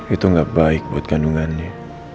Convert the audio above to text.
itu nggak baik buat kandungannya